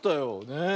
ねえ。